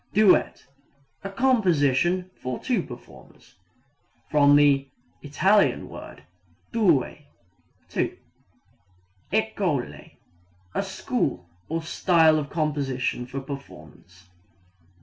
Duet a composition for two performers. (From the It. word due two.) École a school or style of composition or performance.